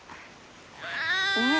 ねえ。